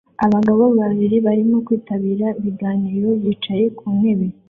Abagabo babiri barimo kwitabira ibiganiro bicaye ku ntebe